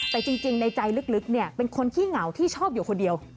แต่จริงในใจลึกเป็นคนขี้เหงาที่ชอบอยู่คนเดียว